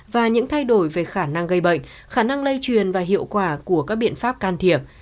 và những thay đổi về khả năng gây bệnh khả năng lây truyền và hiệu quả của các biện pháp can thiệp